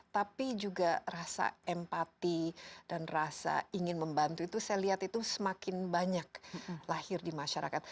tapi juga rasa empati dan rasa ingin membantu itu saya lihat itu semakin banyak lahir di masyarakat